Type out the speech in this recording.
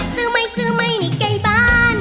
ซื้อไม่ซื้อไม่นี่ไก่บ้าน